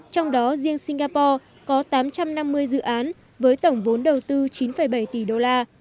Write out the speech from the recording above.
trong đó riêng singapore có tám trăm năm mươi dự án với tổng vốn đầu tư chín bảy tỷ đô la